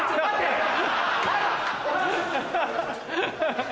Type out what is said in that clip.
ハハハ。